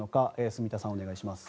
住田さん、お願いします。